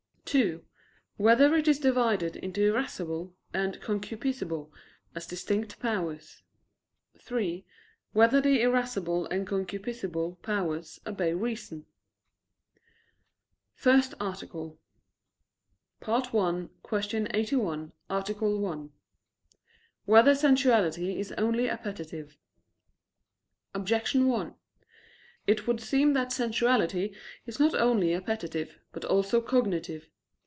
(2) Whether it is divided into irascible and concupiscible as distinct powers? (3) Whether the irascible and concupiscible powers obey reason? _______________________ FIRST ARTICLE [I, Q. 81, Art. 1] Whether Sensuality Is Only Appetitive? Objection 1: It would seem that sensuality is not only appetitive, but also cognitive.